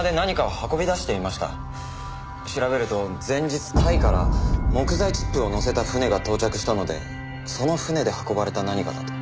調べると前日タイから木材チップを載せた船が到着したのでその船で運ばれた何かだと。